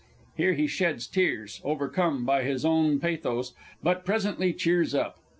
(Here he sheds tears, _overcome by his own pathos, but presently cheers up.